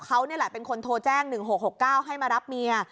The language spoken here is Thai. เขานี่แหละเป็นคนโทรแจ้ง๑๖๖๙ให้มารับเมีย